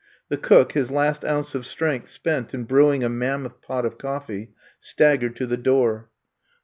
The cook, his last ounce of strength spent in brewing a mammoth pot of cof fee, staggered to the door.